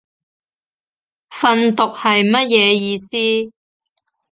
訓讀係乜嘢意思